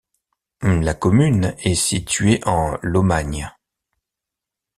La commune est située en Lomagne.